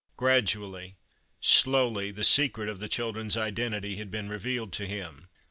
Gradually, slowly, the secret of the children's identity had been revealed to him.